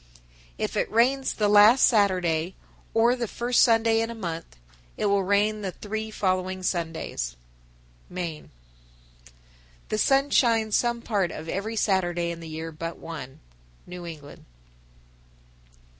If it rains the last Saturday or the first Sunday in a month, it will rain the three following Sundays. Maine. 943. The sun shines some part of every Saturday in the year but one. _New England.